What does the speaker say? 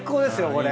これ。